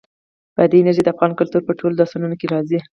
بادي انرژي د افغان کلتور په ټولو داستانونو کې راځي.